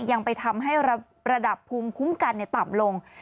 ยังไปทำให้ระดับภูมิคุ้มกันต่ำลง